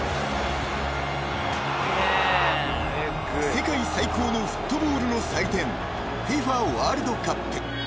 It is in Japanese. ［世界最高のフットボールの祭典ＦＩＦＡワールドカップ］